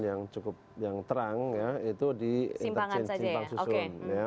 yang cukup terang itu di simpang susun